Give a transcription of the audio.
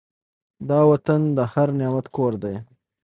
دا وطن د هر نعمت کور دی.